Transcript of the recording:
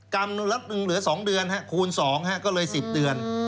กรรมละ๑เหลือ๒เดือนคูณ๒ก็เลย๑๐เดือน